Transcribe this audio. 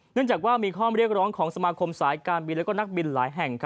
จากว่ามีข้อเรียกร้องของสมาคมสายการบินและนักบินหลายแห่ง